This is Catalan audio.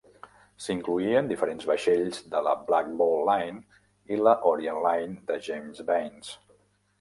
S'incloïen diferents vaixells de la Black Ball Line i la Orient Line de James Baines.